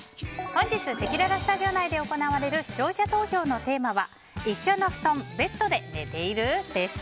本日せきららスタジオ内で行われる視聴者投票のテーマは一緒の布団・ベッドで寝ている？です。